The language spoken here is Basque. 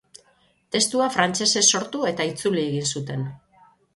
Testua frantsesez sortu eta itzuli egin zuten.